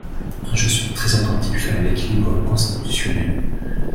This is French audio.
Je suis très attentif à l’équilibre constitutionnel.